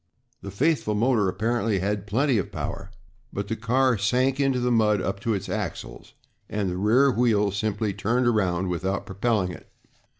The faithful motor apparently had plenty of power, but the car sank into the mud up to its axles, and the rear wheels simply turned around without propelling it.